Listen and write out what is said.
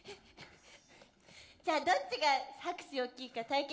じゃあどっちが拍手大きいか対決するよ。